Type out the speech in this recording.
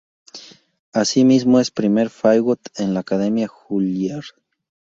Así mismo, es primer fagot en la Academia Juilliard.